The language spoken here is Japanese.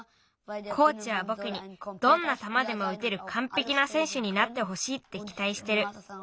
コーチはぼくにどんなたまでもうてるかんぺきなせんしゅになってほしいってきたいしてる。